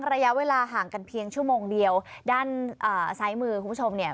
ระยะเวลาห่างกันเพียงชั่วโมงเดียวด้านอ่าซ้ายมือคุณผู้ชมเนี่ย